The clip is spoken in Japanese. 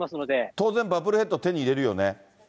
当然バブルヘッド、手に入れるよね？